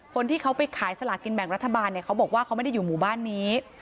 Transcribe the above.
คนที่เขาไปขายสลากินแบ่งรัฐบาลเนี่ยเขาบอกว่าเขาไม่ได้อยู่หมู่บ้านนี้